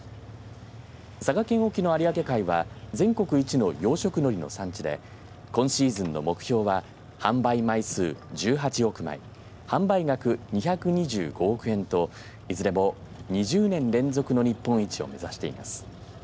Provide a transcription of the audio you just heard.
佐賀県沖の有明海は全国一の養殖のりの産地で今シーズンの目標は販売枚数１８億枚販売額２２５億円といずれも２０年連続の日本一を目指しています。